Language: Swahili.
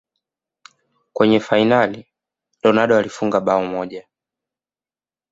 kwenye fainali ya ronaldo alifunga bao moja